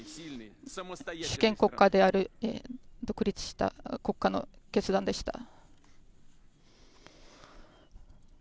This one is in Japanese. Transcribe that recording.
主権国家である、独立した国家の決断でした。